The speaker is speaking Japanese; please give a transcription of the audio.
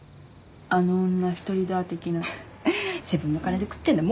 あの女１人だ的な自分の金で食ってんだ